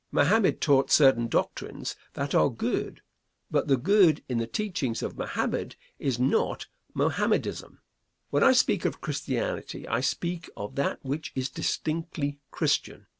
Mohammed taught certain doctrines that are good, but the good in the teachings of Mohammed is not Mohammedism. When I speak of Christianity I speak of that which is distinctly Christian.